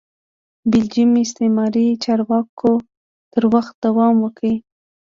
د بلجیم استعماري چارواکو تر وخته دوام وکړ.